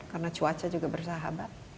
karena cuaca juga bersahabat